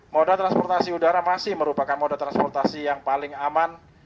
moda transportasi udara masih merupakan moda transportasi yang paling aman